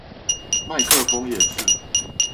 麥克風也是